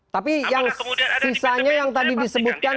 tapi yang sisanya yang tadi disebutkan